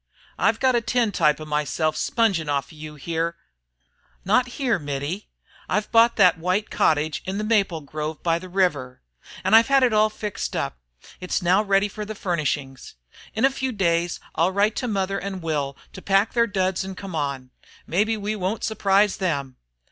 "I've got a tin type of myself spongin' on you here " "Not here, Mittie. I have bought that white cottage in the maple grove by the River. And I've had it all fixed up. It's now ready for the furnishings. In a few days I'll write to mother and Will to pack their duds and come on. Maybe we won't surprise them!